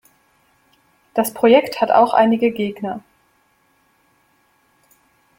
Das Projekt hat auch einige Gegner.